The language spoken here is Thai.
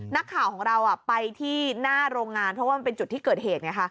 นักข่าวของเราไปที่หน้าโรงงานเพราะว่ามันเป็นจุดที่เกิดเหตุไงคะ